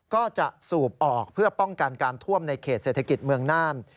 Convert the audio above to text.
ก็จะสูบออกเพื่อป้องกันการท่วมในเขตเศรษฐกิจเมืองน่าน